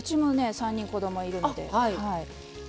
３人子供いるので。